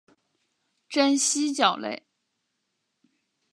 真蜥脚类。